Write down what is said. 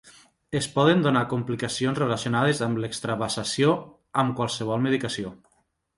Es poden donar complicacions relacionades amb l'extravasació amb qualsevol medicació.